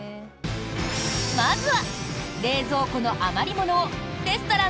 まずは。